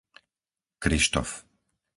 Krištof